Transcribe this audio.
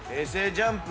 ＪＵＭＰ